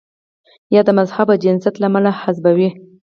یا یې د مذهب او جنسیت له امله حذفوي.